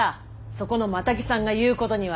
そこのマタギさんが言うことには。